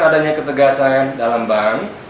adanya ketegasan dalam bank